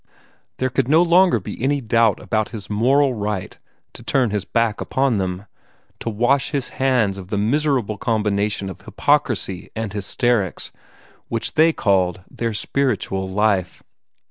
There could no longer be any doubt about his moral right to turn his back upon them, to wash his hands of the miserable combination of hypocrisy and hysterics which they called their spiritual life.